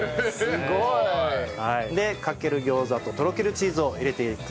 すごい。でかけるギョーザととろけるチーズを入れてください。